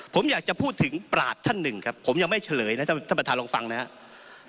ผมอยากจะพูดถึงปราศท่านหนึ่งครับผมยังไม่เฉลยนะท่านประธานลองฟังนะครับ